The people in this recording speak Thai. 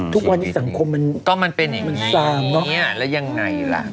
ทุกวันที่สังคมมันสามแล้วยังไงล่ะ